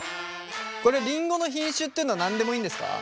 これりんごの品種っていうのは何でもいいんですか？